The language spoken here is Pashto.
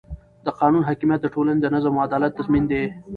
د قانون حاکمیت د ټولنې د نظم او عدالت تضمین دی